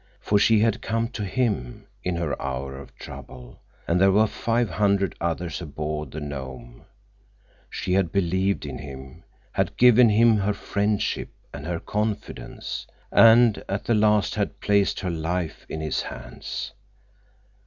For she had come to him in her hour of trouble, and there were five hundred others aboard the Nome. She had believed in him, had given him her friendship and her confidence, and at the last had placed her life in his hands.